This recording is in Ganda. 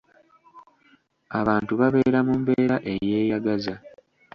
Abantu babeera mu mbeera eteeyagaza.